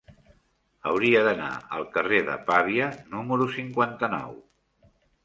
Hauria d'anar al carrer de Pavia número cinquanta-nou.